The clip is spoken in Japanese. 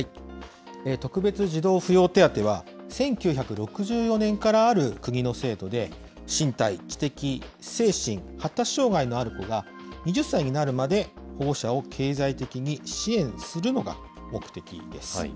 特別児童扶養手当は、１９６４年からある国の制度で、身体、知的、精神、発達障害のある子が、２０歳になるまで保護者を経済的に支援するのが目的です。